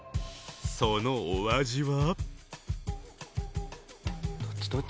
そのお味は？